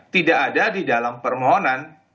tidak ada di dalam permohonan